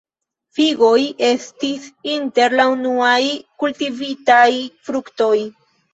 Figoj estis inter la unuaj kultivitaj fruktoj.